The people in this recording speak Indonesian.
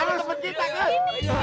ada temen kita kos